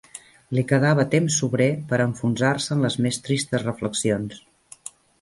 Li quedava temps sobrer per a enfonsar-se en les més tristes reflexions